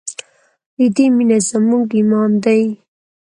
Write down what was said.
د دې مینه زموږ ایمان دی؟